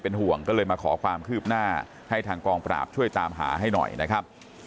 ห่วงก็เลยมาขอความคืบหน้าให้ทางกองปราบช่วยตามหาให้หน่อยนะครับ